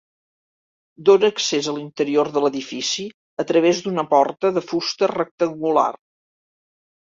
Dóna accés a l'interior de l'edifici a través d'una porta de fusta rectangular.